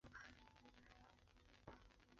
玫红百合为百合科百合属下的一个种。